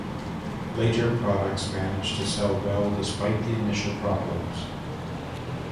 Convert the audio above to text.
Later products managed to sell well despite the initial problems.